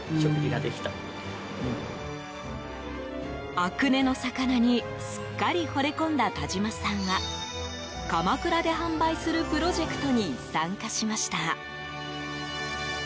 阿久根の魚にすっかりほれ込んだ田島さんは鎌倉で販売するプロジェクトに参加しました。